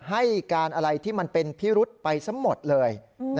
ให้การอะไรที่มันเป็นพิรุษไปซะหมดเลย